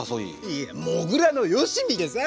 いやもぐらのよしみでさ。